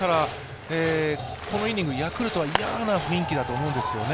このイニング、ヤクルトは嫌な雰囲気だと思うんですよね。